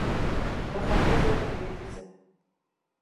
له ختیځه تر لوېدیځه